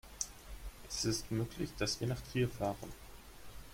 Es ist möglich, dass wir nach Trier fahren